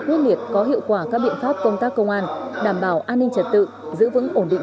quyết liệt có hiệu quả các biện pháp công tác công an đảm bảo an ninh trật tự giữ vững ổn định